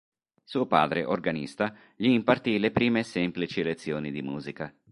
Suo padre, organista, gli impartì le prime semplici lezioni di musica.